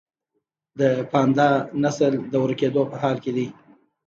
د پاندا نسل د ورکیدو په حال کې دی